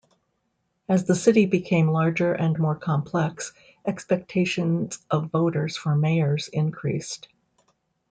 As the city became larger and more complex, expectations of voters for mayors increased.